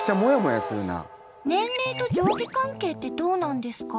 年齢と上下関係ってどうなんですか？